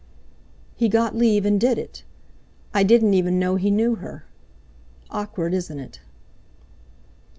"He got leave and did it. I didn't even know he knew her. Awkward, isn't it?"